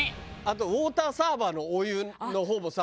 あとウォーターサーバーのお湯の方もさ